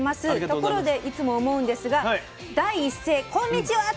ところでいつも思うんですが第一声『こんにちは』って始めてます。